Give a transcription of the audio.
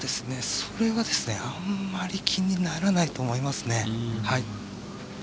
それはあんまり気にならないと思いますね。